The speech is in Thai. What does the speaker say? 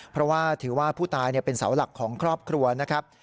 เพราะว่าถือว่าผู้ตายเป็นเสาหลักของครอบครัวนะครับ